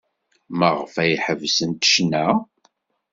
Maɣef ay ḥebsent ccna?